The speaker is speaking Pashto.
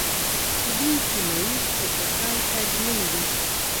دوی سیمه ییز اتصال ته ژمن دي.